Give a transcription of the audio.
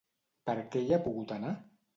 Per què hi ha pogut anar?